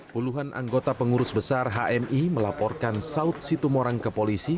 puluhan anggota pengurus besar hmi melaporkan saud situmorang ke polisi